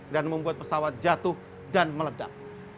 dan membuat pesawat jatuh dan meledak